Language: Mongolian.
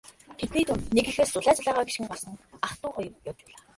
Тэдний дунд нэг эхээс зулай зулайгаа гишгэн гарсан ах дүү хоёр явж байлаа.